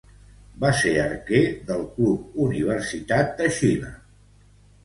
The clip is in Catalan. Va ser arquer del club Universidad de Chile.